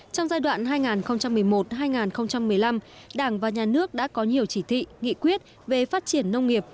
trong giai đoạn hai nghìn một mươi một hai nghìn một mươi năm đảng và nhà nước đã có nhiều chỉ thị nghị quyết về phát triển nông nghiệp